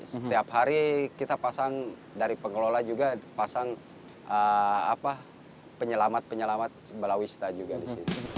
setiap hari kita pasang dari pengelola juga pasang penyelamat penyelamat balawista juga di sini